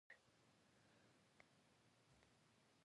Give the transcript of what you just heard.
په علت یې نه پوهېږو.